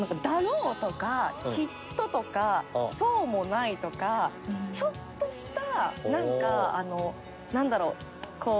「だろう」とか「きっと」とか「そうもない」とかちょっとした、なんかなんだろう。